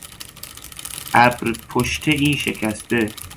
ابرپشتهای شکسته